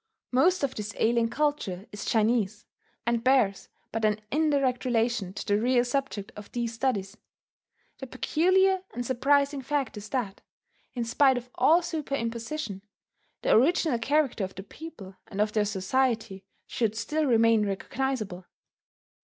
Most of this alien culture is Chinese, and bears but an indirect relation to the real subject of these studies. The peculiar and surprising fact is that, in spite of all superimposition, the original character of the people and of their society should still remain recognizable.